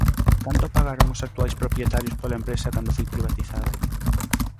Canto pagaron os actuais propietarios pola empresa cando foi privatizada?